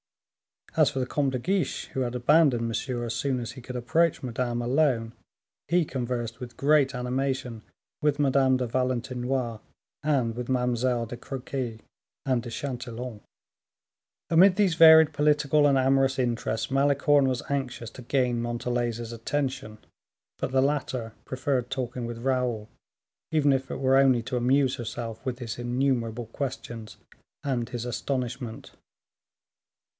As for the Comte de Guiche, who had abandoned Monsieur as soon as he could approach Madame alone, he conversed, with great animation, with Madame de Valentinois, and with Mademoiselle de Crequy and de Chatillon. Amid these varied political, and amorous interests, Malicorne was anxious to gain Montalais's attention; but the latter preferred talking with Raoul, even if it were only to amuse herself with his innumerable questions and his astonishment.